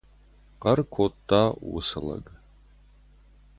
Хъӕр кодта уыцы лӕг.